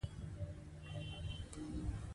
د علامه رشاد لیکنی هنر مهم دی ځکه چې حقایق ساتي.